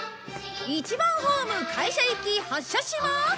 １番ホーム会社行き発車します。